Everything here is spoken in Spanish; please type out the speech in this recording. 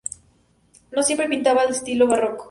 No siempre pintaba al estilo barroco.